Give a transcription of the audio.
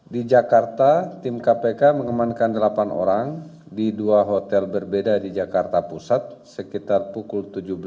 di jakarta tim kpk mengemankan delapan orang di dua hotel berbeda di jakarta pusat sekitar pukul tujuh belas